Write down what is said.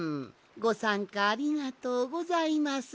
ごさんかありがとうございます。